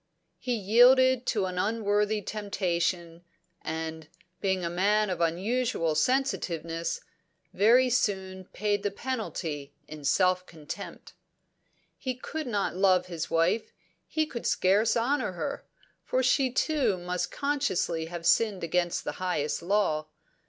He yielded to an unworthy temptation, and, being a man of unusual sensitiveness, very soon paid the penalty in self contempt. He could not love his wife; he could scarce honour her for she too must consciously have sinned against the highest law.